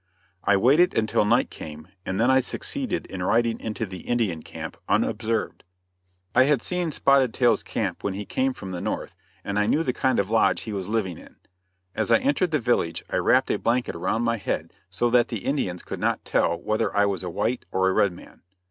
I waited until night came and then I succeeded in riding into the Indian camp unobserved. [Illustration: SPOTTED TAIL.] I had seen Spotted Tail's camp when he came from the north and I knew the kind of lodge he was living in. As I entered the village I wrapped a blanket around my head so that the Indians could not tell whether I was a white or a red man.